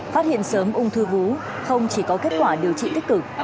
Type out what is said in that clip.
phát hiện sớm ung thư vú không chỉ có kết quả điều trị tích cực